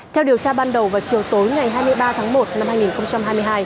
theo điều tra ban đầu vào chiều tối ngày hai mươi ba tháng một năm hai nghìn hai mươi hai